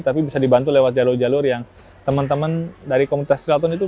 tapi bisa dibantu lewat jalur jalur yang temen temen dari komunitas triathlon itu